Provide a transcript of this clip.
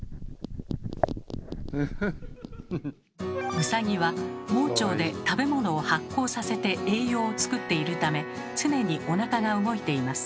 ウサギは盲腸で食べ物を発酵させて栄養を作っているため常におなかが動いています。